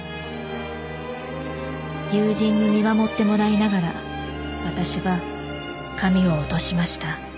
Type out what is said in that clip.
友人に見守ってもらいながら私は髪を落としました。